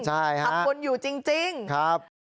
ใช่ครับทำบุญอยู่จริงครับ